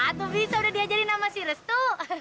aduh bisa udah diajarin sama si restu